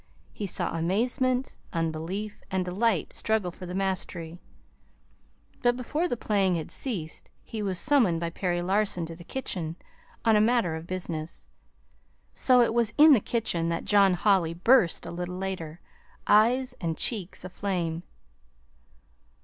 He saw amazement, unbelief, and delight struggle for the mastery; but before the playing had ceased, he was summoned by Perry Larson to the kitchen on a matter of business. So it was into the kitchen that John Holly burst a little later, eyes and cheek aflame.